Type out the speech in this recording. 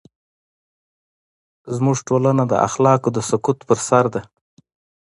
زموږ ټولنه د اخلاقو د سقوط پر سر ده.